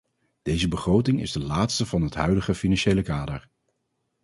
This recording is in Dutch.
Deze begroting is de laatste van het huidige financiële kader.